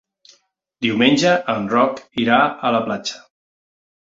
Diumenge en Roc irà a la platja.